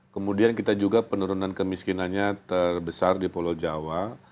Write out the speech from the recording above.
kemudian kita juga penurunan kemiskinannya terbesar di pulau jawa